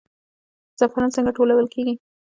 زعفران څنګه ټولول کیږي؟